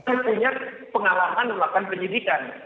yang punya pengalaman melakukan penyibikan